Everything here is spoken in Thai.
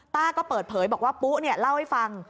ป้าก็เปิดเผยบอกว่าปุ๊เล่าให้ฟัง